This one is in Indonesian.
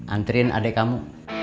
anterin adek kamu